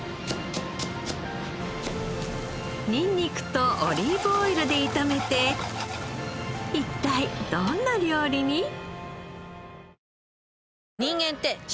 にんにくとオリーブオイルで炒めて一体どんな料理に？